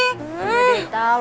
gak ada detail